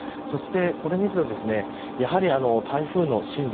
これを見ると、台風の進路